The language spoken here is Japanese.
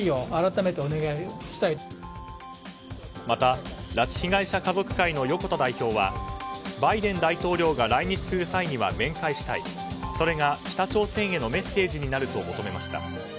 また拉致被害者家族会の横田代表はバイデン大統領が来日する際には面会したいそれが北朝鮮へのメッセージになると求めました。